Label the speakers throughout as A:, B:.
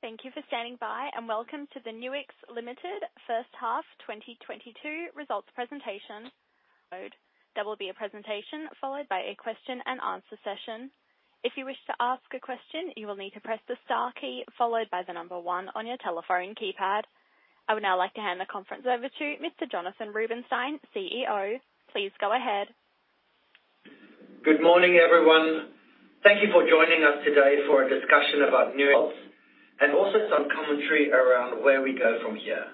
A: Thank you for standing by, and welcome to the Nuix Limited First Half 2022 Results Presentation. There will be a presentation followed by a question-and-answer session. If you wish to ask a question, you will need to press the star key followed by the number one on your telephone keypad. I would now like to hand the conference over to Mr. Jonathan Rubinsztein, CEO. Please go ahead.
B: Good morning, everyone. Thank you for joining us today for a discussion about Nuix and also some commentary around where we go from here.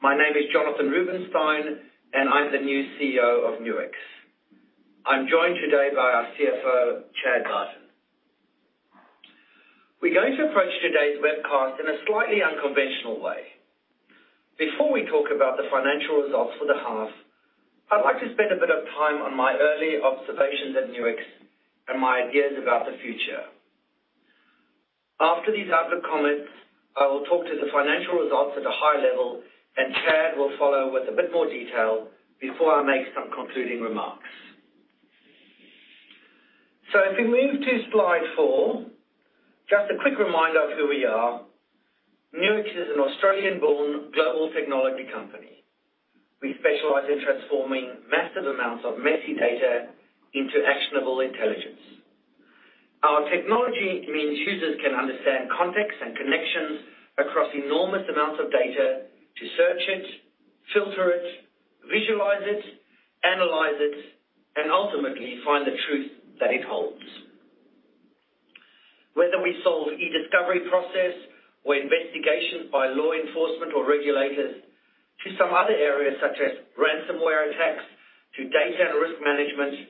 B: My name is Jonathan Rubinsztein, and I'm the new CEO of Nuix. I'm joined today by our CFO, Chad Barton. We're going to approach today's webcast in a slightly unconventional way. Before we talk about the financial results for the half, I'd like to spend a bit of time on my early observations at Nuix and my ideas about the future. After these outlook comments, I will talk to the financial results at a high level, and Chad will follow with a bit more detail before I make some concluding remarks. If we move to slide four, just a quick reminder of who we are. Nuix is an Australian-born global technology company. We specialize in transforming massive amounts of messy data into actionable intelligence. Our technology means users can understand context and connections across enormous amounts of data to search it, filter it, visualize it, analyze it, and ultimately find the truth that it holds. Whether we solve e-discovery process or investigations by law enforcement or regulators to some other areas such as ransomware attacks to data and risk management,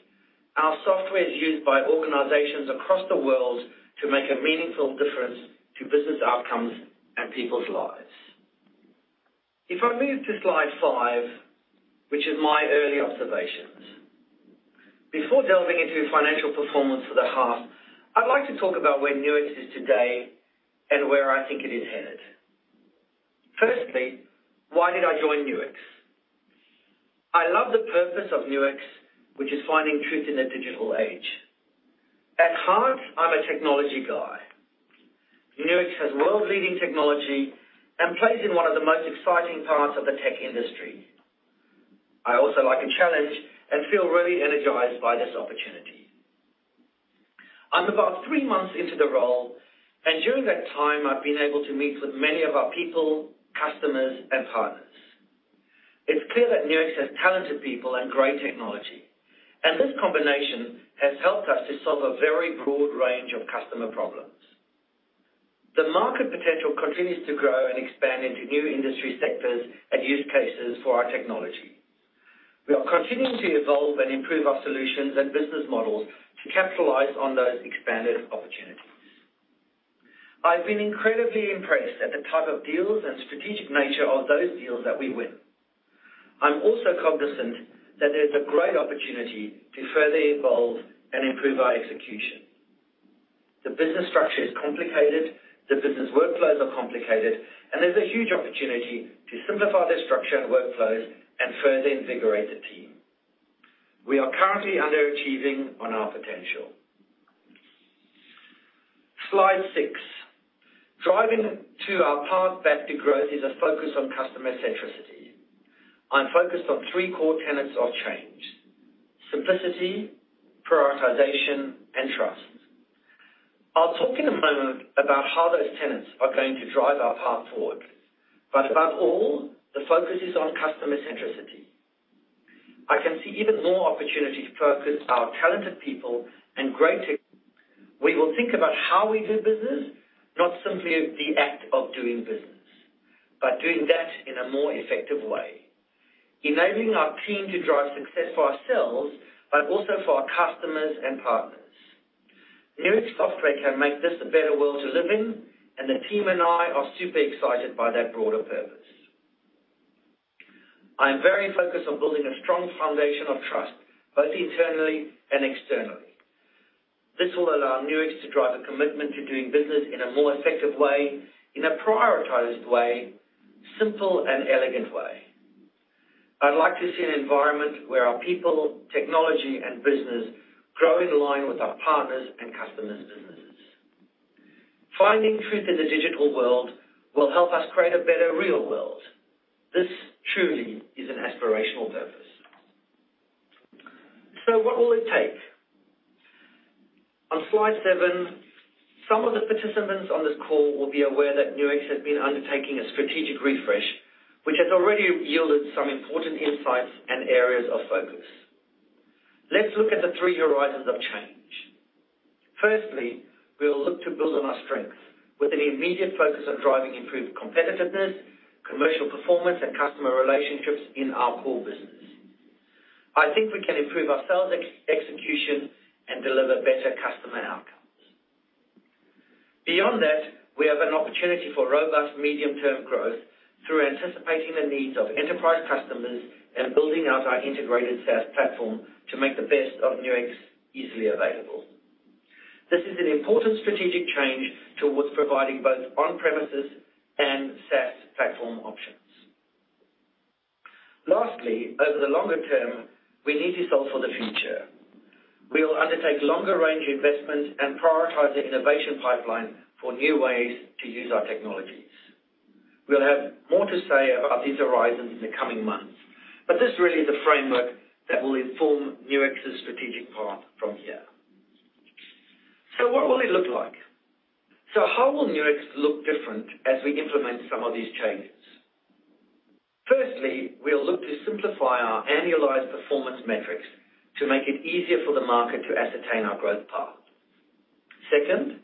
B: our software is used by organizations across the world to make a meaningful difference to business outcomes and people's lives. If I move to slide five, which is my early observations. Before delving into financial performance for the half, I'd like to talk about where Nuix is today and where I think it is headed. First, why did I join Nuix? I love the purpose of Nuix, which is finding truth in the digital age. At heart, I'm a technology guy. Nuix has world-leading technology and plays in one of the most exciting parts of the tech industry. I also like a challenge and feel really energized by this opportunity. I'm about three months into the role, and during that time, I've been able to meet with many of our people, customers, and partners. It's clear that Nuix has talented people and great technology, and this combination has helped us to solve a very broad range of customer problems. The market potential continues to grow and expand into new industry sectors and use cases for our technology. We are continuing to evolve and improve our solutions and business models to capitalize on those expanded opportunities. I've been incredibly impressed at the type of deals and strategic nature of those deals that we win. I'm also cognizant that there's a great opportunity to further evolve and improve our execution. The business structure is complicated, the business workflows are complicated, and there's a huge opportunity to simplify the structure and workflows and further invigorate the team. We are currently underachieving on our potential. Slide six. Driving to our path back to growth is a focus on customer centricity. I'm focused on three core tenets of change, simplicity, prioritization, and trust. I'll talk in a moment about how those tenets are going to drive our path forward. Above all, the focus is on customer centricity. I can see even more opportunity to focus our talented people and great team. We will think about how we do business, not simply the act of doing business, but doing that in a more effective way, enabling our team to drive success for ourselves, but also for our customers and partners. Nuix software can make this a better world to live in, and the team and I are super excited by that broader purpose. I am very focused on building a strong foundation of trust, both internally and externally. This will allow Nuix to drive a commitment to doing business in a more effective way, in a prioritized way, simple and elegant way. I'd like to see an environment where our people, technology and business grow in line with our partners and customers' businesses. Finding truth in the digital world will help us create a better real world. This truly is an aspirational purpose. What will it take? On slide seven, some of the participants on this call will be aware that Nuix has been undertaking a strategic refresh, which has already yielded some important insights and areas of focus. Let's look at the three horizons of change. Firstly, we'll look to build on our strength with an immediate focus on driving improved competitiveness, commercial performance, and customer relationships in our core business. I think we can improve our sales execution and deliver better customer outcomes. Beyond that, we have an opportunity for robust medium-term growth through anticipating the needs of enterprise customers and building out our integrated SaaS platform to make the best of Nuix easily available. This is an important strategic change towards providing both on-premises and SaaS platform options. Lastly, over the longer-term, we need to solve for the future. We'll undertake longer-range investments and prioritize the innovation pipeline for new ways to use our technologies. We'll have more to say about these horizons in the coming months, but this really is a framework that will inform Nuix's strategic path from here. What will it look like? How will Nuix look different as we implement some of these changes? Firstly, we'll look to simplify our annualized performance metrics to make it easier for the market to ascertain our growth path. Second,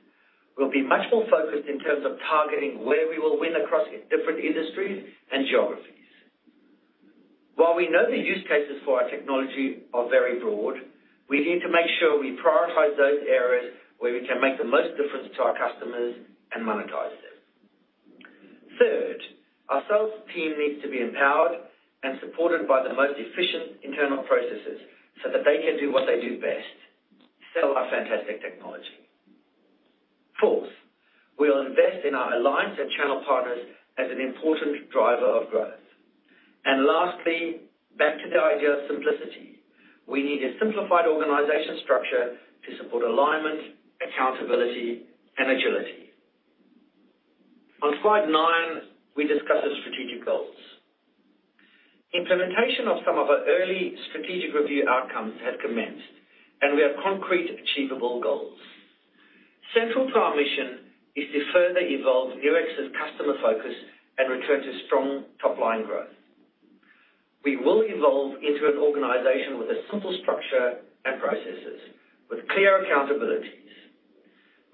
B: we'll be much more focused in terms of targeting where we will win across different industries and geographies. While we know the use cases for our technology are very broad, we need to make sure we prioritize those areas where we can make the most difference to our customers and monetize them. Third, our sales team needs to be empowered and supported by the most efficient internal processes so that they can do what they do best, sell our fantastic technology. Fourth, we'll invest in our alliance and channel partners as an important driver of growth. Lastly, back to the idea of simplicity. We need a simplified organization structure to support alignment, accountability, and agility. On slide nine, we discuss the strategic goals. Implementation of some of our early strategic review outcomes has commenced, and we have concrete, achievable goals. Central to our mission is to further evolve Nuix's customer focus and return to strong top-line growth. We will evolve into an organization with a simple structure and processes with clear accountabilities.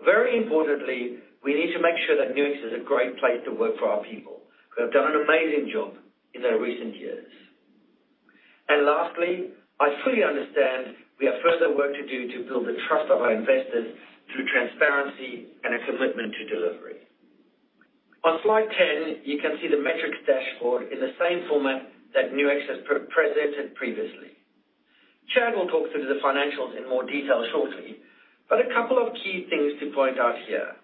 B: Very importantly, we need to make sure that Nuix is a great place to work for our people who have done an amazing job in their recent years. Lastly, I fully understand we have further work to do to build the trust of our investors through transparency and a commitment to delivery. On slide 10, you can see the metrics dashboard in the same format that Nuix has presented previously. Chad will talk through the financials in more detail shortly, but a couple of key things to point out here.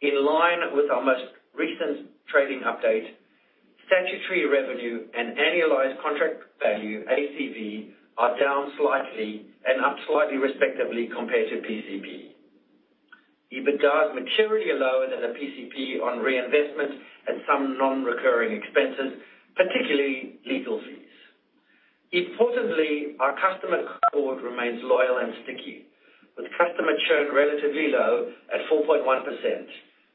B: In line with our most recent trading update, statutory revenue and annualized contract value, ACV, are down slightly and up slightly respectively compared to PCP. EBITDA is materially lower than the PCP on reinvestment and some non-recurring expenses, particularly legal fees. Importantly, our customer cohort remains loyal and sticky, with customer churn relatively low at 4.1%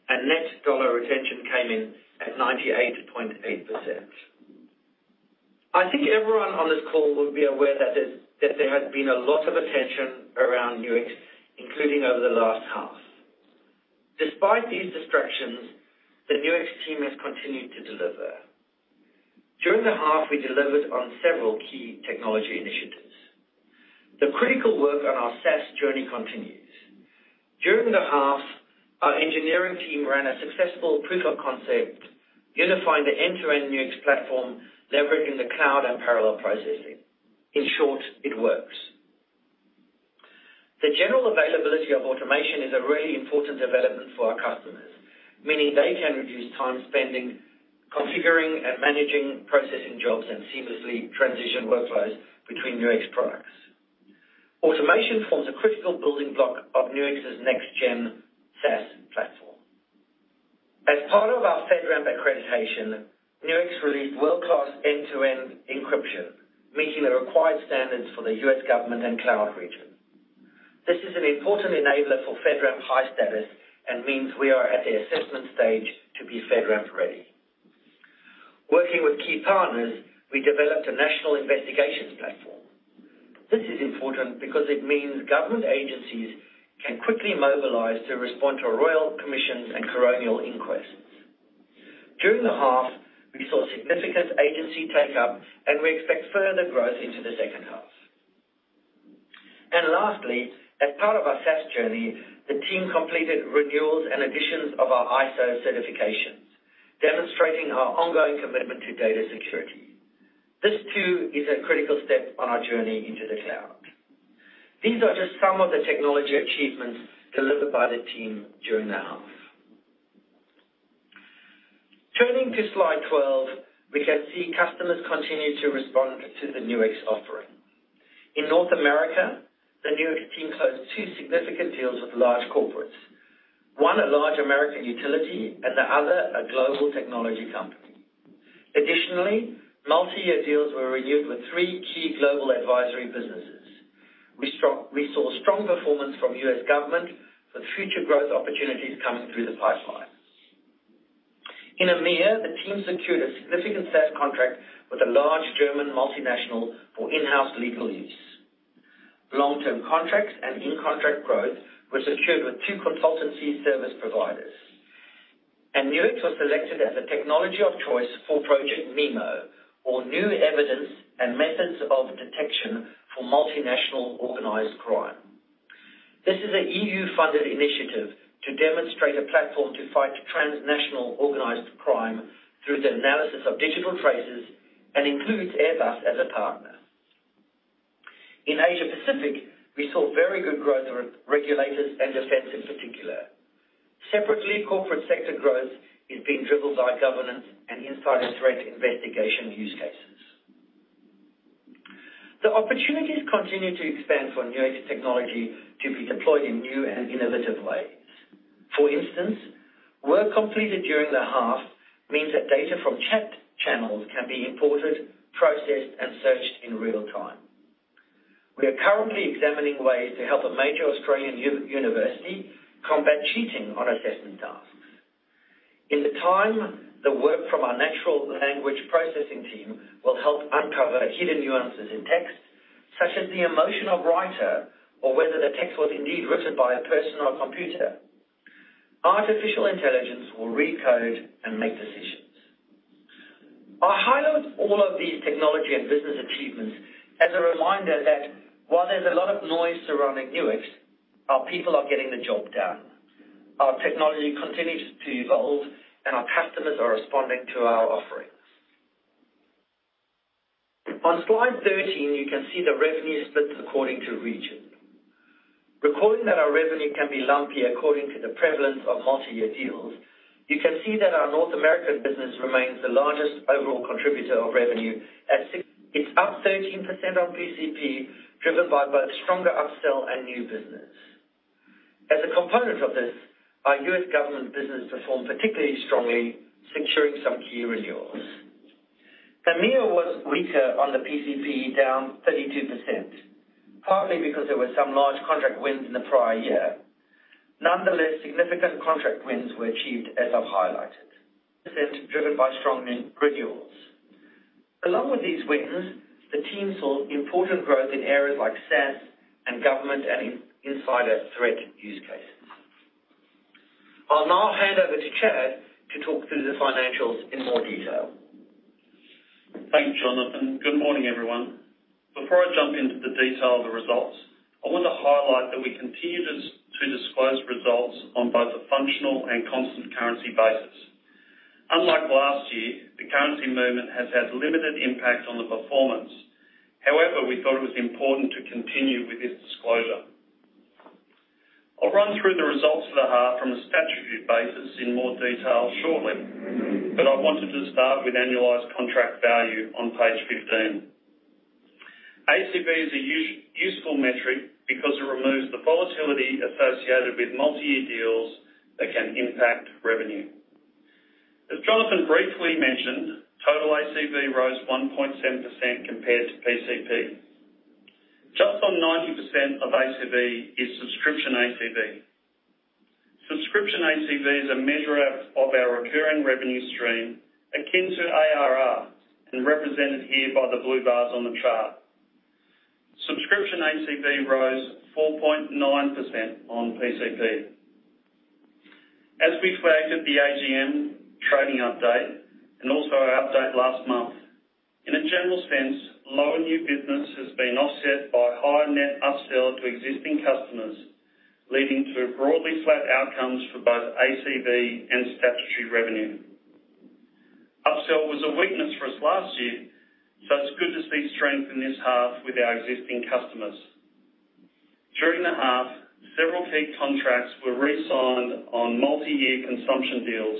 B: and net dollar retention came in at 98.8%. I think everyone on this call will be aware that there has been a lot of attention around Nuix, including over the last half. Despite these distractions, the Nuix team has continued to deliver. During the half, we delivered on several key technology initiatives. The critical work on our SaaS journey continues. During the half, our engineering team ran a successful proof of concept unifying the end-to-end Nuix platform, leveraging the cloud and parallel processing. In short, it works. The general availability of automation is a really important development for our customers, meaning they can reduce time spent configuring and managing processing jobs and seamlessly transition workloads between Nuix products. Automation forms a critical building block of Nuix's next gen SaaS platform. As part of our FedRAMP accreditation, Nuix released world-class end-to-end encryption, meeting the required standards for the U.S. government and cloud region. This is an important enabler for FedRAMP High status and means we are at the assessment stage to be FedRAMP ready. Working with key partners, we developed a national investigations platform. This is important because it means government agencies can quickly mobilize to respond to royal commissions and coronial inquests. During the half, we saw significant agency take-up and we expect further growth into the second half. Lastly, as part of our SaaS journey, the team completed renewals and additions of our ISO certifications, demonstrating our ongoing commitment to data security. This too is a critical step on our journey into the cloud. These are just some of the technology achievements delivered by the team during the half. Turning to slide 12, we can see customers continue to respond to the Nuix offering. In North America, the Nuix team closed two significant deals with large corporates, one a large American utility and the other a global technology company. Additionally, multi-year deals were renewed with three key global advisory businesses. We saw strong performance from U.S. government with future growth opportunities coming through the pipeline. In EMEA, the team secured a significant SaaS contract with a large German multinational for in-house legal use. Long-term contracts and in-contract growth were secured with two consultancy service providers. Nuix was selected as a technology of choice for Project NEMO or New Evidence and Methods of Detection for Multinational Organized Crime. This is an EU-funded initiative to demonstrate a platform to fight transnational organized crime through the analysis of digital traces and includes Airbus as a partner. In Asia Pacific, we saw very good growth in regulators and defense in particular. Separately, corporate sector growth is being driven by governance and insider threat investigation use cases. The opportunities continue to expand for Nuix technology to be deployed in new and innovative ways. For instance, work completed during the half means that data from chat channels can be imported, processed, and searched in real time. We are currently examining ways to help a major Australian university combat cheating on assessment tasks. In time, the work from our natural language processing team will help uncover hidden nuances in text, such as the emotion of writer or whether the text was indeed written by a person or a computer. Artificial intelligence will read code and make decisions. I highlight all of these technology and business achievements as a reminder that while there's a lot of noise surrounding Nuix, our people are getting the job done. Our technology continues to evolve and our customers are responding to our offerings. On slide 13, you can see the revenue split according to region. Recording that our revenue can be lumpy according to the prevalence of multi-year deals, you can see that our North American business remains the largest overall contributor of revenue at six... It's up 13% on PCP, driven by both stronger upsell and new business. As a component of this, our U.S. government business performed particularly strongly, securing some key renewals. EMEA was weaker on the PCP, down 32%, partly because there were some large contract wins in the prior year. Nonetheless, significant contract wins were achieved, as I've highlighted, driven by strong renewals. Along with these wins, the team saw important growth in areas like SaaS and government and in-insider threat use cases. I'll now hand over to Chad to talk through the financials in more detail.
C: Thanks, Jonathan. Good morning, everyone. Before I jump into the detail of the results, I want to highlight that we continue to disclose results on both a functional and constant currency basis. Unlike last year, the currency movement has had limited impact on the performance. However, we thought it was important to continue with this disclosure. I'll run through the results for the half from a statutory basis in more detail shortly, but I wanted to start with annualized contract value on page 15. ACV is a useful metric because it removes the volatility associated with multi-year deals that can impact revenue. As Jonathan briefly mentioned, total ACV rose 1.7% compared to PCP. Just on 90% of ACV is subscription ACV. Subscription ACV is a measure of our recurring revenue stream akin to ARR and represented here by the blue bars on the chart. Subscription ACV rose 4.9% on PCP. As we flagged at the AGM trading update and also our update last month, in a general sense, lower new business has been offset by higher net upsell to existing customers, leading to broadly flat outcomes for both ACV and statutory revenue. Upsell was a weakness for us last year, so it's good to see strength in this half with our existing customers. During the half, several key contracts were resigned on multi-year consumption deals,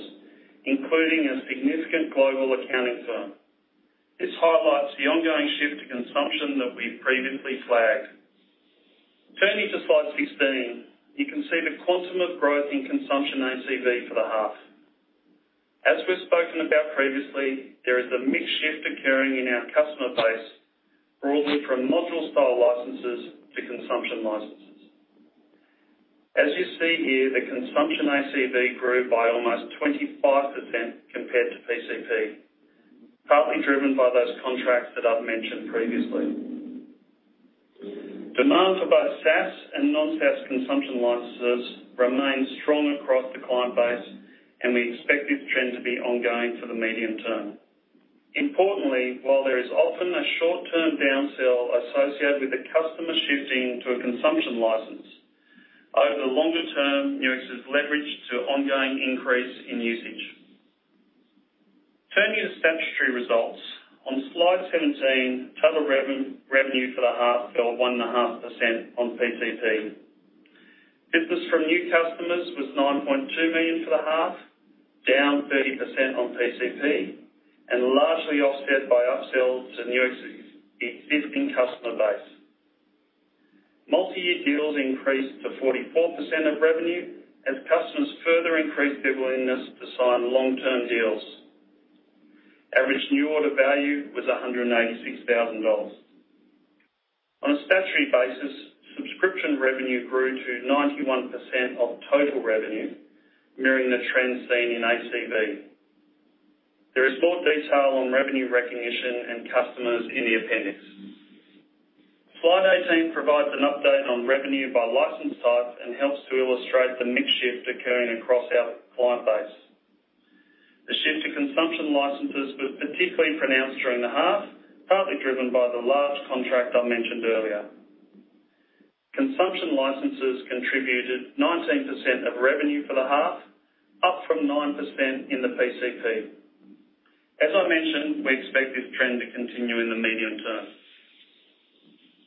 C: including a significant global accounting firm. This highlights the ongoing shift to consumption that we've previously flagged. Turning to slide 16, you can see the quantum of growth in consumption ACV for the half. As we've spoken about previously, there is a mixed shift occurring in our customer base, broadly from module-style licenses to consumption licenses. As you see here, the consumption ACV grew by almost 25% compared to PCP, partly driven by those contracts that I've mentioned previously. Demand for both SaaS and non-SaaS consumption licenses remains strong across the client base, and we expect this trend to be ongoing for the medium-term. Importantly, while there is often a short-term downsell associated with a customer shifting to a consumption license, over the longer-term, Nuix is leveraged to ongoing increase in usage. Turning to statutory results. On slide 17, total revenue for the half fell 1.5% on PCP. Business from new customers was 9.2 million for the half, down 30% on PCP, and largely offset by upsells to Nuix's existing customer base. Multi-year deals increased to 44% of revenue as customers further increased their willingness to sign long-term deals. Average new order value was $186,000. On a statutory basis, subscription revenue grew to 91% of total revenue, mirroring the trends seen in ACV. There is more detail on revenue recognition and customers in the appendix. Slide 18 provides an update on revenue by license type and helps to illustrate the mix shift occurring across our client base. The shift to consumption licenses was particularly pronounced during the half, partly driven by the large contract I mentioned earlier. Consumption licenses contributed 19% of revenue for the half, up from 9% in the PCP. As I mentioned, we expect this trend to continue in the medium-term.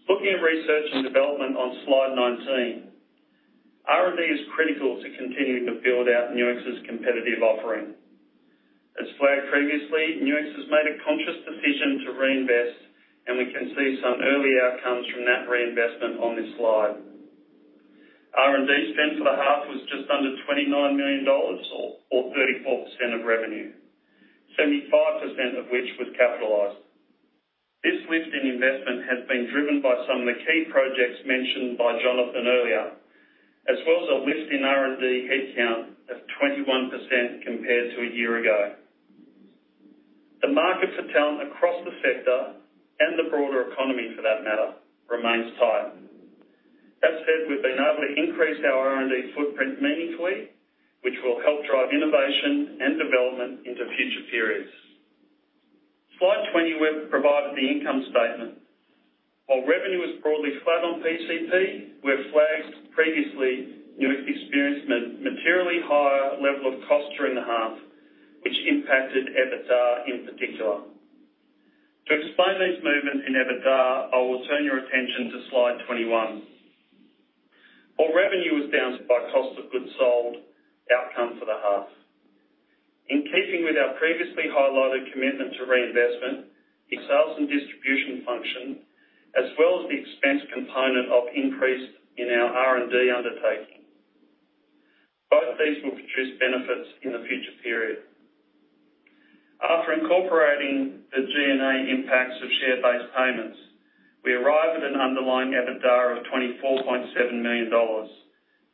C: Looking at research and development on slide 19. R&D is critical to continuing to build out Nuix's competitive offering. As flagged previously, Nuix has made a conscious decision to reinvest, and we can see some early outcomes from that reinvestment on this slide. R&D spend for the half was just under 29 million dollars or 34% of revenue, 75% of which was capitalized. This lift in investment has been driven by some of the key projects mentioned by Jonathan earlier, as well as a lift in R&D headcount of 21% compared to a year ago. The market for talent across the sector and the broader economy for that matter remains tight. That said, we've been able to increase our R&D footprint meaningfully, which will help drive innovation and development into future periods. Slide 20, we've provided the income statement. While revenue is broadly flat on PCP, we have flagged previously Nuix experienced a materially higher level of cost during the half, which impacted EBITDA in particular. To explain these movements in EBITDA, I will turn your attention to slide 21. While revenue was down, the cost of goods sold outcome for the half. In keeping with our previously highlighted commitment to reinvestment in sales and distribution function, as well as the expense component of the increase in our R&D undertaking. Both these will produce benefits in the future period. After incorporating the G&A impacts of share-based payments, we arrive at an underlying EBITDA of 24.7 million dollars,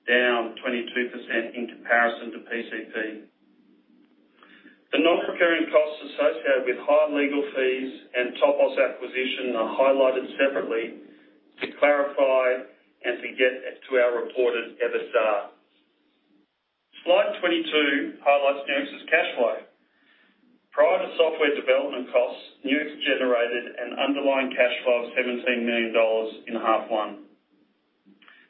C: down 22% in comparison to PCP. The non-recurring costs associated with higher legal fees and Topos acquisition are highlighted separately to clarify and to get to our reported EBITDA. Slide 22 highlights Nuix's cash flow. Prior to software development costs, Nuix generated an underlying cash flow of 17 million dollars in H1.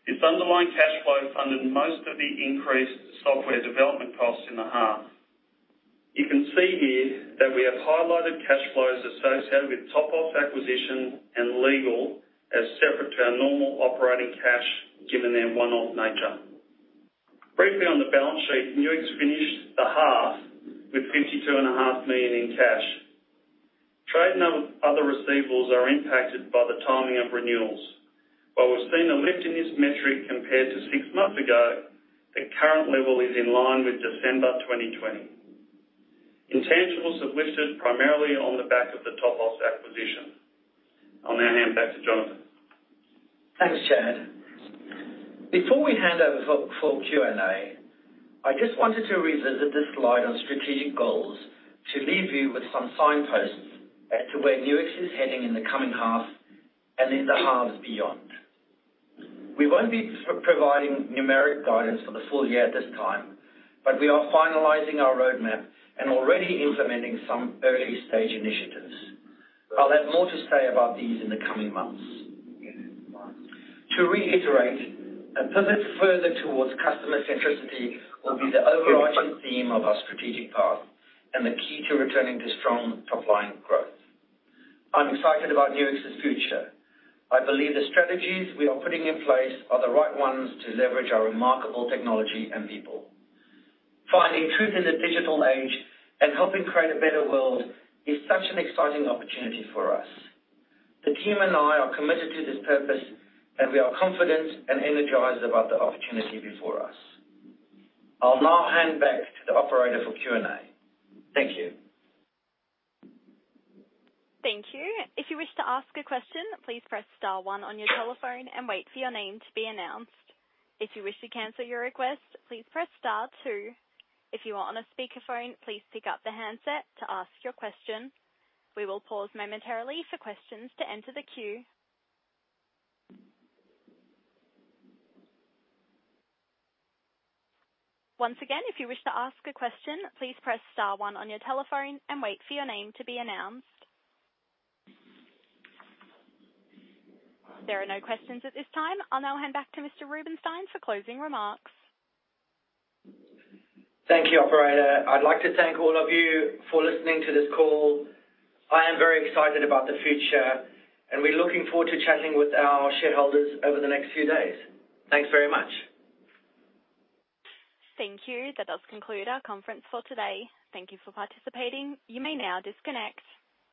C: This underlying cash flow funded most of the increased software development costs in the half. You can see here that we have highlighted cash flows associated with Topos acquisition and legal as separate to our normal operating cash, given their one-off nature. Briefly, on the balance sheet, Nuix finished the half with 52.5 million in cash. Trade and other receivables are impacted by the timing of renewals. While we've seen a lift in this metric compared to six months ago, the current level is in line with December 2020. Intangibles have lifted primarily on the back of the Topos acquisition. I'll now hand back to Jonathan.
B: Thanks, Chad. Before we hand over for Q&A, I just wanted to revisit this slide on strategic goals to leave you with some signposts as to where Nuix is heading in the coming half and in the halves beyond. We won't be providing numeric guidance for the full year at this time, but we are finalizing our roadmap and already implementing some early-stage initiatives. I'll have more to say about these in the coming months. To reiterate, a pivot further towards customer centricity will be the overarching theme of our strategic path and the key to returning to strong top line growth. I'm excited about Nuix's future. I believe the strategies we are putting in place are the right ones to leverage our remarkable technology and people. Finding truth in the digital age and helping create a better world is such an exciting opportunity for us. The team and I are committed to this purpose, and we are confident and energized about the opportunity before us. I'll now hand back to the operator for Q&A. Thank you.
A: Thank you. If you wish to ask a question, please press star one on your telephone and wait for your name to be announced. If you wish to cancel your request, please press star two. If you are on a speakerphone, please pick up the handset to ask your question. We will pause momentarily for questions to enter the queue. Once again, if you wish to ask a question, please press star one on your telephone and wait for your name to be announced. There are no questions at this time. I'll now hand back to Mr. Rubinsztein for closing remarks.
B: Thank you, operator. I'd like to thank all of you for listening to this call. I am very excited about the future, and we're looking forward to chatting with our shareholders over the next few days. Thanks very much.
A: Thank you. That does conclude our conference for today. Thank you for participating. You may now disconnect.